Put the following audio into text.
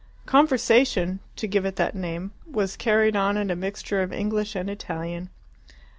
Conversation, to give it that name, was carried on in a mixture of English and Italian.